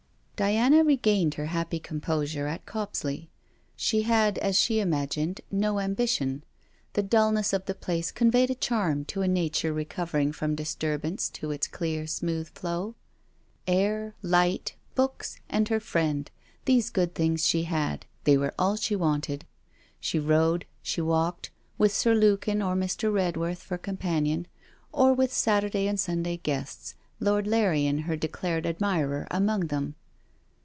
Diana regained her happy composure at Copsley. She had, as she imagined, no ambition. The dulness of the place conveyed a charm to a nature recovering from disturbance to its clear smooth flow. Air, light, books, and her friend, these good things she had; they were all she wanted. She rode, she walked, with Sir Lukin or Mr. Redworth, for companion; or with Saturday and Sunday guests, Lord Larrian, her declared admirer, among them.